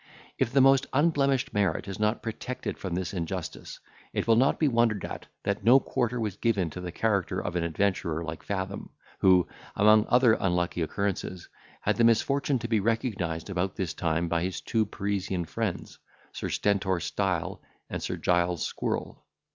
If the most unblemished merit is not protected from this injustice, it will not be wondered at that no quarter was given to the character of an adventurer like Fathom, who, among other unlucky occurrences, had the misfortune to be recognised about this time by his two Parisian friends, Sir Stentor Stile and Sir Giles Squirrel.